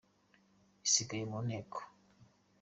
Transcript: isigaye mu Nteko